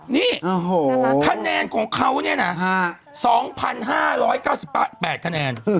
นี่คะแนนของเขาเนี่ยนะ๒๕๙๘คะแนน